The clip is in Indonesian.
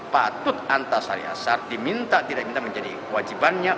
patut antasari ashar diminta tidak diminta menjadi wajibannya